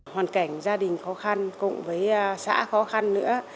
hoàn cảnh gia đình khó khăn cùng với xã khó khăn nữa